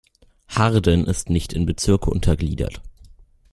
Harden ist nicht in Bezirke untergliedert.